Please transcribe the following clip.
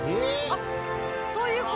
あっそういう事？